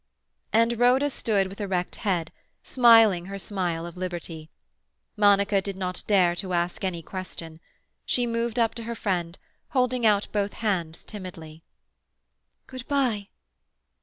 And Rhoda stood with erect head, smiling her smile of liberty. Monica did not dare to ask any question. She moved up to her friend, holding out both hands timidly. "Good bye!"